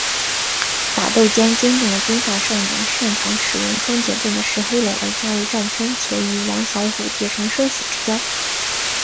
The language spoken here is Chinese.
打斗间惊动了金发少年擅长使用双节棍的石黑龙而加入战圈且与王小虎结成生死之交。